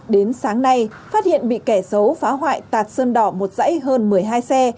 đến sáng nay phát hiện bị kẻ xấu phá hoại tạt sơn đỏ một dãy hơn một mươi hai xe